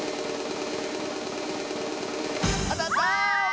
あたった！